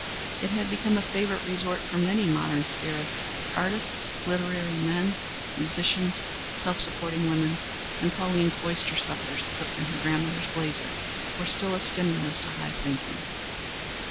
It had become a favorite resort for many modern spirits artists, literary men, musicians, self supporting women and Pauline's oyster suppers, cooked in her grandmother's blazer, were still a stimulus to high thinking.